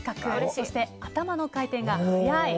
そして頭の回転が速い。